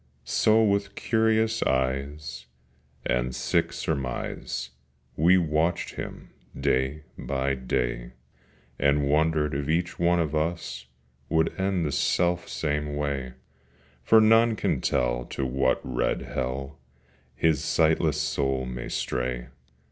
So with curious eyes and sick surmise We watched him day by day, And wondered if each one of us Would end the self same way, For none can tell to what red Hell His sightless soul may stray.